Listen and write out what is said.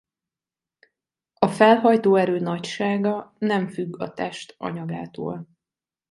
A felhajtóerő nagysága nem függ a test anyagától.